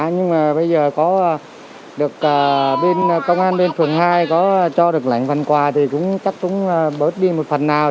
nhưng mà bây giờ có được bên công an bên phường hai có cho được lệnh phần quà thì cũng chắc chúng bớt đi một phần nào